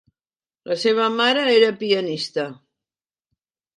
La seva mare era pianista.